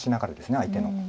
相手の。